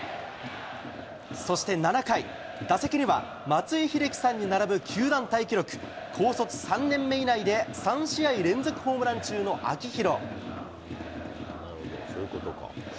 そして７回、打席には松井秀喜さんに並ぶ球団タイ記録、高卒３年目以内で３試合連続ホームラン中の秋広。